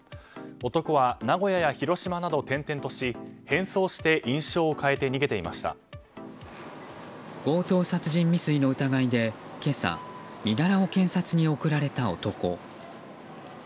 男は名古屋や広島などを転々とし変装して印象を変えて強盗殺人未遂の疑いで今朝、身柄を検察に送られた男。